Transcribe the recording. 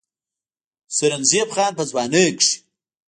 سرنزېب خان پۀ ځوانۍ کښې